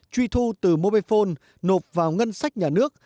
truy thu từ mobifone nộp vào ngân sách nhà nước